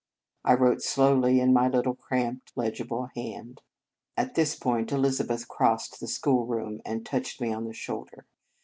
" I wrote slowly in my little, cramped, legible hand. At this point Elizabeth crossed the 83 In Our Convent Days schoolroom, and touched me on the shoulder.